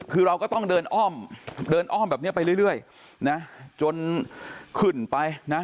คือเราก็ต้องเดินอ้อมเดินอ้อมแบบนี้ไปเรื่อยนะจนขึ้นไปนะ